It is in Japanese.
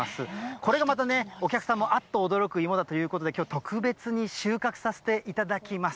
これがまたね、お客さんも、あっと驚く芋だということで、きょう特別に、収穫させていただきます。